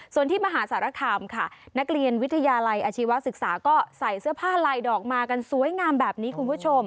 ส่วนที่มหาสารคามค่ะนักเรียนวิทยาลัยอาชีวศึกษาก็ใส่เสื้อผ้าลายดอกมากันสวยงามแบบนี้คุณผู้ชม